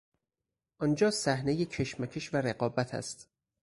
آنجا صحنهی کشمکش و رقابت است!